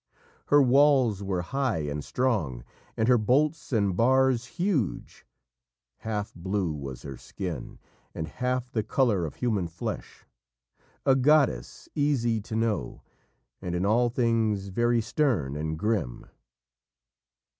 Her walls were high and strong, and her bolts and bars huge; 'Half blue was her skin, and half the colour of human flesh. A goddess easy to know, and in all things very stern and grim.'"